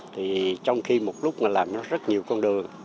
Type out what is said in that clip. thì trong khi một lúc mà làm nó rất nhiều con đường